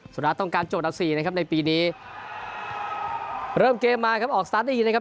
สุนัขต้องการโจทักสี่นะครับในปีนี้เริ่มเกมมาครับออกสตาร์ทดีนะครับ